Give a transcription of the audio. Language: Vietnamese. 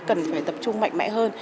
cần phải tập trung mạnh mẽ hơn